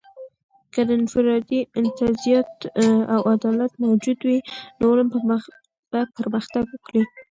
که د انفرادي امتیازات او عدالت موجود وي، نو علم به پرمختګ وکړي.